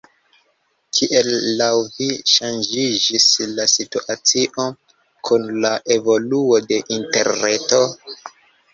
Kiel laŭ vi ŝanĝiĝis la situacio kun la evoluo de interreto?